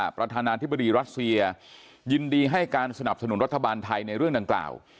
ประธานาธิบดีรัสเซียยินดีให้การสนับสนุนรัฐบาลไทยในเรื่องดังกล่าว